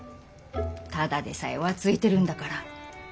ただでさえ浮ついてるんだから。